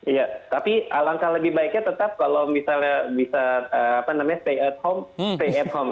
iya tapi alangkah lebih baiknya tetap kalau misalnya bisa stay at home stay at home